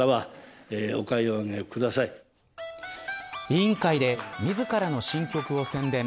委員会で自らの新曲を宣伝。